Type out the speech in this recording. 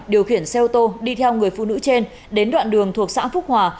điều khiển xe ô tô đi theo người phụ nữ trên đến đoạn đường thuộc xã phúc hòa